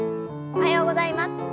おはようございます。